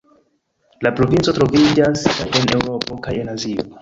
La provinco troviĝas kaj en Eŭropo kaj en Azio.